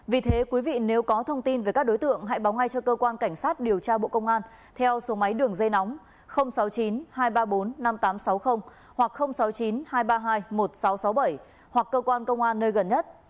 vì thế quý vị nếu có thông tin về các đối tượng hãy báo ngay cho cơ quan cảnh sát điều tra bộ công an theo số máy đường dây nóng sáu mươi chín hai trăm ba mươi bốn năm nghìn tám trăm sáu mươi hoặc sáu mươi chín hai trăm ba mươi hai một nghìn sáu trăm sáu mươi bảy hoặc cơ quan công an nơi gần nhất